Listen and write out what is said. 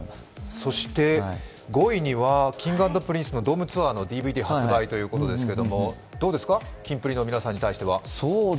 そして５位にはＫｉｎｇ＆ＰｒｉｎｃｅのドームツアーのＤＶＤ発売ということですがどうですか、キンプリの皆さんに対しては。